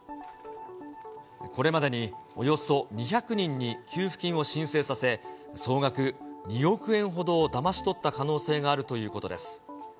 これまでに、およそ２００人に給付金を申請させ、総額２億円ほどをだまし取った可能性があるということです。